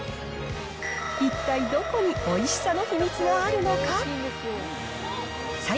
一体どこにおいしさの秘密があるのか。